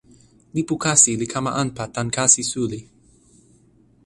lipu kasi li kama anpa tan kasi suli.